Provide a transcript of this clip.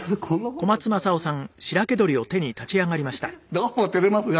どうも照れますが。